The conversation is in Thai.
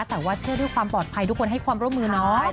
แต่ว่าเชื่อด้วยความปลอดภัยทุกคนให้ความร่วมมือน้อย